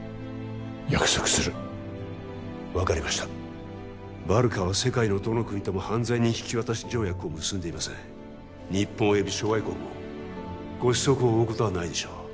約束する分かりましたバルカは世界のどの国とも犯罪人引渡条約を結んでいません日本および諸外国もご子息を追うことはないでしょう